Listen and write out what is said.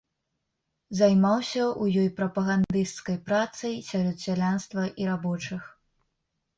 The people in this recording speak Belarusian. Займаўся ў ёй прапагандысцкай працай сярод сялянства і рабочых.